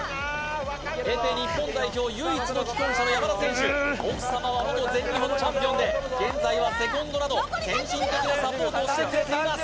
エペ日本代表唯一の既婚者の山田選手奥様は元全日本チャンピオンで現在はセコンドなど献身的なサポートをしてくれています